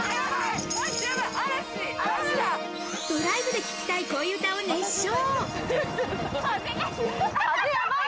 ドライブで聞きたい恋歌を熱唱。